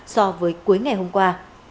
so với cuối ngày hôm qua